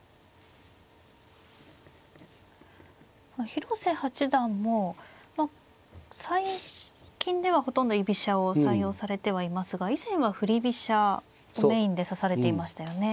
広瀬八段も最近ではほとんど居飛車を採用されてはいますが以前は振り飛車をメインで指されていましたよね。